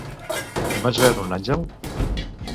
Vas veure un àngel?